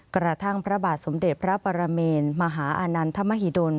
กระทั่งพระบาทสมเด็จพระปรเมนมหาอานันทมหิดล